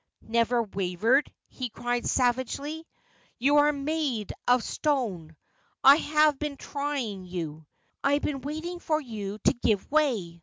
' Never wavered !' he cried savagely. ' You are made of stone. I have been trying you. I have been waiting for you to give way.